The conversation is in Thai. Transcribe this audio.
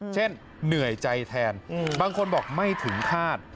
เช่นเหนื่อยใจแทนบางคนบอกไม่ถึงคาด